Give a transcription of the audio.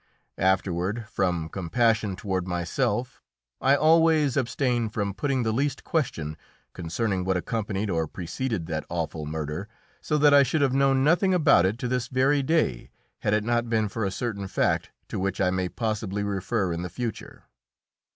Afterward, from compassion toward myself, I always abstained from putting the least question concerning what accompanied or preceded that awful murder, so that I should have known nothing about it to this very day had it not been for a certain fact to which I may possibly refer in the future.